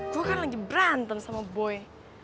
gue kan lagi berantem sama boy